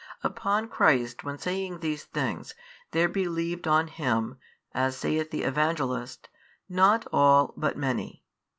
Upon Christ when saying these things, there believed on Him, as saith the Evangelist, not all but many.